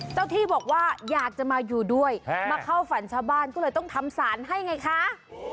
เจ้าที่บอกว่าอยากจะมาอยู่ด้วยมาเข้าฝันชาวบ้านก็เลยต้องทำสารให้ไงคะ